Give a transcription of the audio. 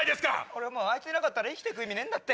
俺あいついなかったら生きて行く意味ねえんだって。